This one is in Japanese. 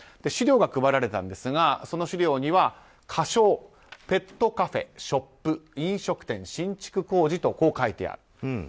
資料が配られたんですがその資料には仮称、ペットカフェ・ショップ飲食店新築工事とこう書いてある。